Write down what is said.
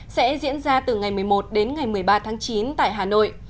sẽ diễn ra từ ngày một mươi một đến ngày một mươi ba tháng chín tại hà nội